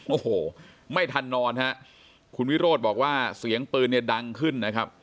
โอ้โหไม่ทันนอนฮะคุณวิโรธบอกว่าเสียงปืนเนี่ยดังขึ้นนะครับ